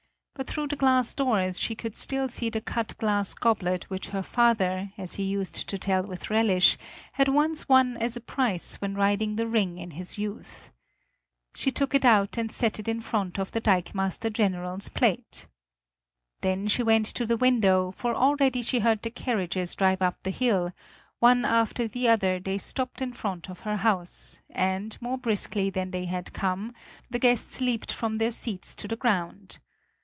But through the glass doors she could still see the cut glass goblet which her father, as he used to tell with relish, had once won as a prize when riding the ring in his youth. She took it out and set it in front of the dikemaster general's plate. Then she went to the window, for already she heard the carriages drive up the hill; one after the other they stopped in front of her house, and, more briskly than they had come, the guests leaped from their seats to the ground.